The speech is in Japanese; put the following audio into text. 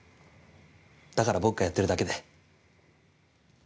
だから僕がやってるだけで。